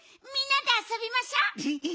みんなであそびましょ！